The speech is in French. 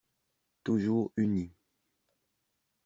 Toujours unis